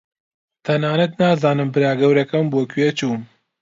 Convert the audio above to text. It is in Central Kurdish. تەنانەت نازانم برا گەورەکەم بۆ کوێ چوو.